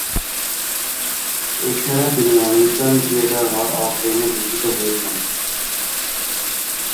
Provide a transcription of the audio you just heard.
এছাড়া তিনি American theatre hall of ফেমে ভূষিত হয়েছেন।